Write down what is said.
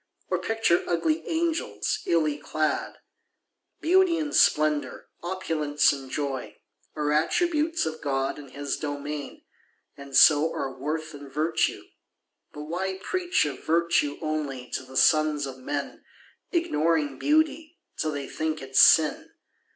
Or picture ugly angels, illy clad? Beauty and splendour, opulence and joy, Are attributes of God and His domain, And so are worth and virtue. But why preach Of virtue only to the sons of men, Ignoring beauty, till they think it sin?